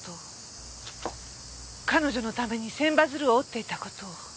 彼女のために千羽鶴を折っていた事を。